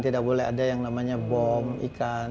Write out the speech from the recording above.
tidak boleh ada yang namanya bom ikan